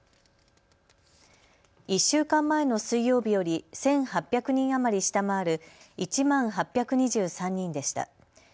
１週間前の水曜日より１８００人余り下回る１万８２３人でした。